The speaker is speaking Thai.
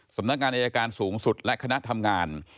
สำนักงานอายการสูงสุดและคณะทำงาน